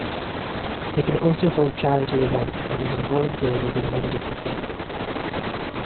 They can also hold charity events and even volunteer to do many different things.